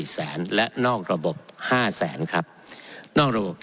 แสนและนอกระบบ๕แสนครับนอกระบบ